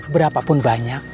berapa pun banyak